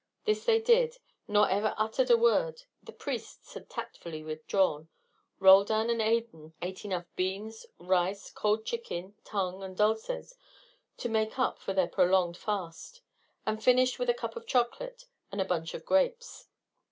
This they did, nor ever uttered a word. The priests had tactfully withdrawn. Roldan and Adan ate enough beans, rice, cold chicken, tongue, and dulces to make up for their prolonged fast, and finished with a cup of chocolate and a bunch of grapes.